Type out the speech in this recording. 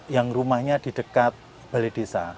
yang rumahnya di dekat balai desa